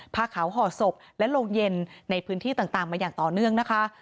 ผ้าขาวห่อศพและโรงเย็นในพื้นที่ต่างมาอย่างต่อเนื่องนะคะ